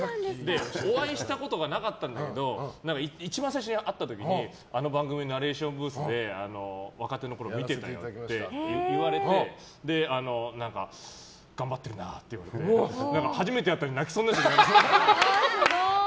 お会いしたことがなかったんだけど一番最初に会った時にあの番組のナレーションブースで若手のころ見ててって言われて頑張ってるなって言われて初めて会ったのに泣きそうになっちゃって。